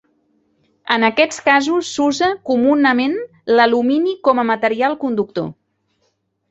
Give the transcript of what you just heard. En aquests casos s'usa, comunament, l'alumini com a material conductor.